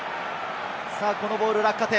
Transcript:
このボール、落下点。